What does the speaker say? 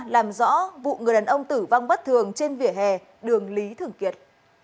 làm rõ vụ người đàn ông tử vong bất thường trên vỉa hè đường lý thường kiệt